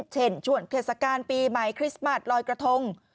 เช่นช่วงเทศกาลปีใหม่คริสต์มาสลอยกระทง